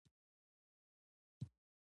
تا څه وویل ؟ لږ ږغ لوړ کړه !